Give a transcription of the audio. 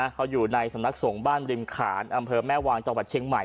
เขาอยู่ในสำนักส่งบ้านบริมขานอำเภอแม่วางจังหวัดเชียงใหม่